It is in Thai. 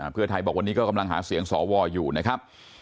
เพื่อไทยบอกวันนี้ก็กำลังหาเสียงสวอยู่นะครับ